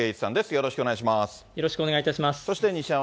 よろしくお願いします。